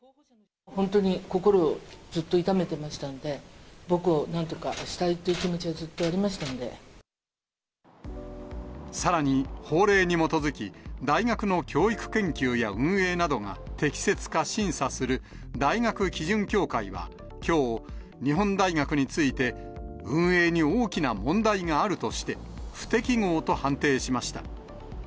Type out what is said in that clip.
本当に心をずっと痛めてましたので、母校をなんとかしたいという気持ちはずっとありましたのさらに法令に基づき、大学の教育研究や運営などが適切か審査する大学基準協会はきょう、日本大学について、運営に大きな問題があるとして、不適合と判定しました。